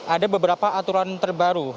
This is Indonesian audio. ada beberapa aturan terbaru